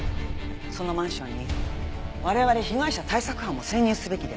そのマンションに我々被害者対策班も潜入すべきです。